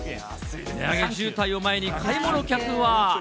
値上げ渋滞を前に、買い物客は。